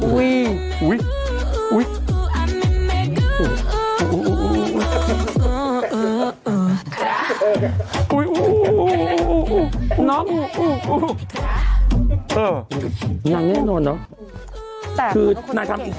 เต๊อนังแน่นอนเนอะใช่ตรงนี้แต่ของลูกเนี้ยน่าทำอีก